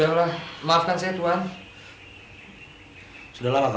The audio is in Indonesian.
jika kamu sengaja merasa tidak merasa